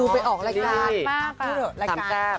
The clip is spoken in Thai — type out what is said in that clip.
คือไปออกรายการมากละสำแทบ